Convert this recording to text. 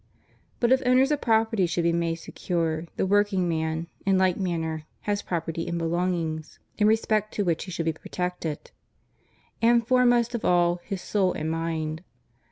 But if owners of property should be made secure, the workingman, in like manner, has property and belongings CONDITION OF THE WORKING CLASSES. 233 in respect to which he should be protected; and foremost of all, his soul and mind.